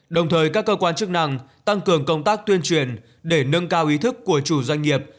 đồng thời các cơ quan chức năng tăng cường công tác tuyên truyền để nâng cao ý thức của chủ doanh nghiệp